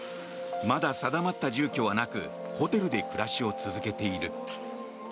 まだ定まった住居はなくホテルで暮らしを続けている。